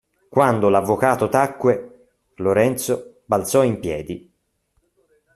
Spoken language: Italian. Quando l'avvocato tacque, Lorenzo balzò in piedi.